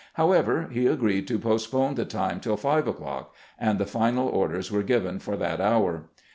However, he agreed to postpone the time till five o'clock, and the final orders were given for that hour.